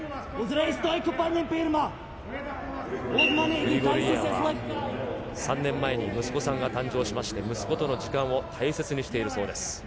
グリゴルイエワは３年前に息子さんが誕生しまして、息子との時間を大切にしているそうです。